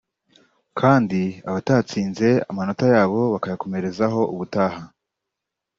kandi abatatsinze amanota yabo bayakomerezaho ubutaha